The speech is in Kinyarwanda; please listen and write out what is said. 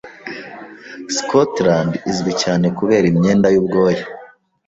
Scotland izwi cyane kubera imyenda yubwoya.